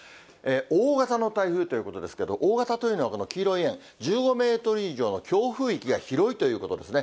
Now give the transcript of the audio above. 大型の台風ということですけど、大型というのは黄色い円、１５メートル以上の強風域が広いということですね。